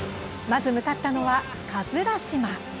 まず、向かったのは葛島。